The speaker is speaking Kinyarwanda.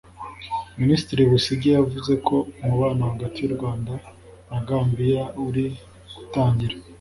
Minisitiri Busingye yavuze ko umubano hagati y’u Rwanda na Gambia uri gutangira